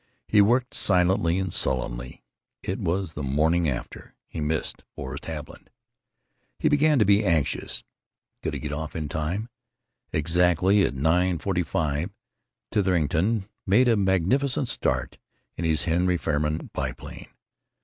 He worked silently and sullenly. It was "the morning after." He missed Forrest Haviland. He began to be anxious. Could he get off on time? Exactly at 9.45 Titherington made a magnificent start in his Henry Farman biplane.